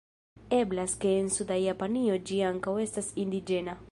Eblas ke en suda Japanio ĝi ankaŭ estas indiĝena.